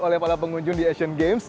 oleh para pengunjung di asian games